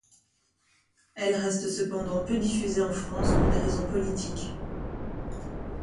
Elle reste cependant peu diffusée en France pour des raisons politiques.